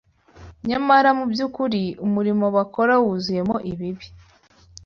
nyamara mu by’ukuri umurimo bakora wuzuyemo ibibi